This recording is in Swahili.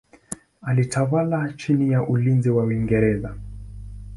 Alitawala chini ya ulinzi wa Uingereza.